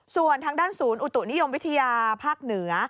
ส่วนทางด้านศูนย์อุตุนิยมวิทยาภาคเหนือ